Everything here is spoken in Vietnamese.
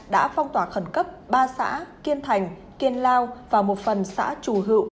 đã phong tỏa khẩn cấp ba xã kiên thành kiên lao và một phần xã chù hựu